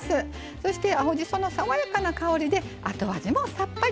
そして、青じその爽やかな香りで後味もさっぱり。